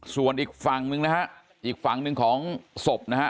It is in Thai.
ส่วนอีกฝั่งหนึ่งนะฮะอีกฝั่งหนึ่งของศพนะฮะ